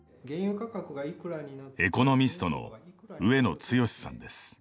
エコノミストの上野剛志さんです。